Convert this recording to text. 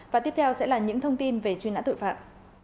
và tiếp theo sẽ là những thông tin về truy nã tội phạm